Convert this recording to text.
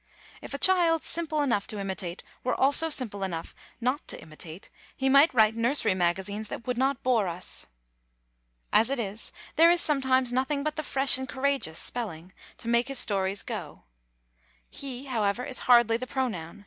If a child simple enough to imitate were also simple enough not to imitate he might write nursery magazines that would not bore us. As it is, there is sometimes nothing but the fresh and courageous spelling to make his stories go. "He," however, is hardly the pronoun.